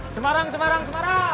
semarang semarang semarang